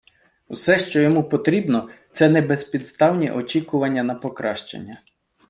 Все, що йому потрібно – це небезпідставні очікування на покращення.